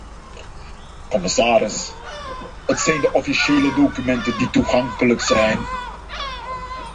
Commissaris, het zijn de officiële documenten die toegankelijk zijn.